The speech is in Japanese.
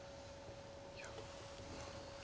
いや。